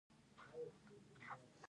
د بام رڼا هم د دوی په زړونو کې ځلېده.